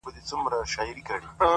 ته لږه ایسته سه چي ما وویني’